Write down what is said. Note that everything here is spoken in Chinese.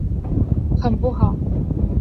很不好！